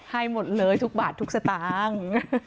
ให้หมดเลยทุกบาททุกสตางค์